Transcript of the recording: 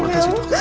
terima kasih dok